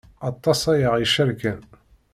Aṭas ay aɣ-icerken.